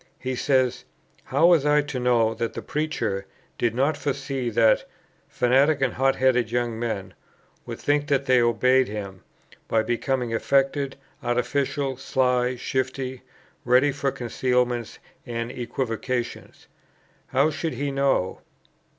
He says, "How was I to know that the preacher ... did not foresee, that [fanatic and hot headed young men] would think that they obeyed him, by becoming affected, artificial, sly, shifty, ready for concealments and equivocations?" "How should he know!"